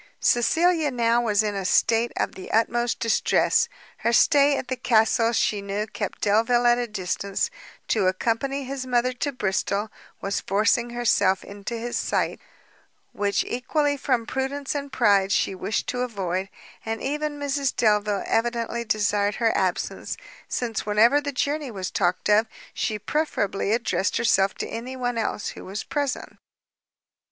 Cecilia now was in a state of the utmost distress; her stay at the castle she knew kept Delvile at a distance; to accompany his mother to Bristol, was forcing herself into his sight, which equally from prudence and pride she wished to avoid; and even Mrs Delvile evidently desired her absence, since whenever the journey was talked of, she preferably addressed herself to any one else who was present.